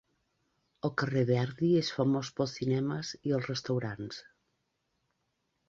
El carrer Verdi és famós pels cinemes i els restaurants.